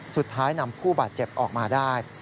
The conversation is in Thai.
สุดท้ายนำผู้บาดเจ็บออกมาได้